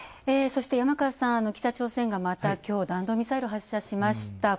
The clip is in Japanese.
山川さん、北朝鮮がまた、きょう、弾道ミサイルを発射しました。